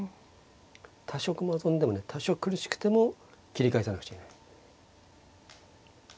多少駒損でもね多少苦しくても切り返さなくちゃいけない。